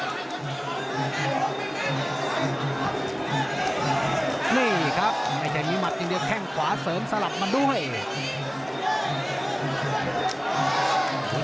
นี่ครับไอ้ใจมีมัดจริงแข้งขวาเสริมสลับมาด้วย